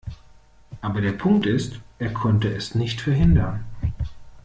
Aber der Punkt ist, er konnte es nicht verhindern.